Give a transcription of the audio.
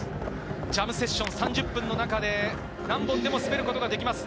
ジャムセッション、３０分の中で何本でも滑ることができます。